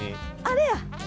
あれや！